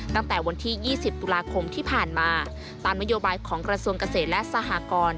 ตั้งแต่วันที่๒๐ตุลาคมที่ผ่านมาตามนโยบายของกระทรวงเกษตรและสหกร